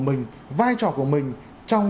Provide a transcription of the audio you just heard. mình vai trò của mình trong